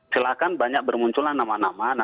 silahkan banyak bermunculan nama nama